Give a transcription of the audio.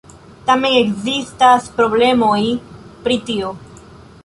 Tamen ekzistas problemoj pri tio.